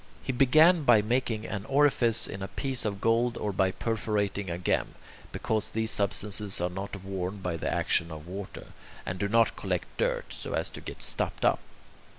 He began by making an orifice in a piece of gold, or by perforating a gem, because these substances are not worn by the action of water, and do not collect dirt so as to get stopped up.